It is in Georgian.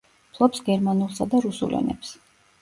ფლობს გერმანულსა და რუსულ ენებს.